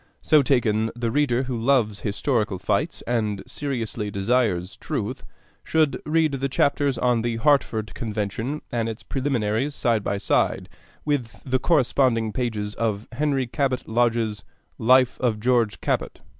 So taken, the reader who loves historical fights and seriously desires truth should read the chapters on the Hartford Convention and its preliminaries side by side with the corresponding pages in Henry Cabot Lodge's 'Life of George Cabot.'